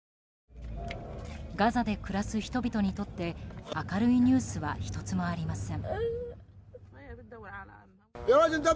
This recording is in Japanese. ガザで暮らす人々にとって明るいニュースは１つもありません。